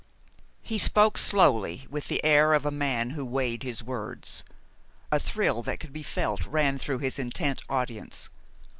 He spoke slowly, with the air of a man who weighed his words. A thrill that could be felt ran through his intent audience.